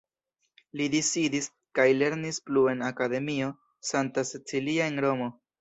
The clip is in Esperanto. Li disidis kaj lernis plu en Akademio Santa Cecilia en Romo.